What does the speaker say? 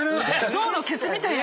象のケツみたいな。